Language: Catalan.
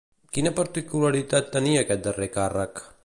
Quina particularitat tenia aquest darrer càrrec?